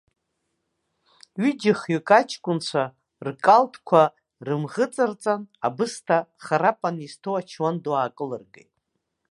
Ҩыџьахҩык аҷкәынцәа ркалҭқәа рымӷыҵарҵан, абысҭа харапан изҭоу ачуан ду аакылыргоит.